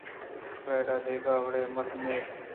فریڈا دگہ وڑیں مردمےاَت